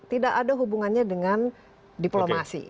tidak ada hubungannya dengan diplomasi